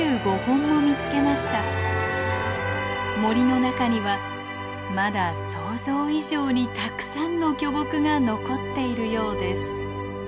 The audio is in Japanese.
森の中にはまだ想像以上にたくさんの巨木が残っているようです。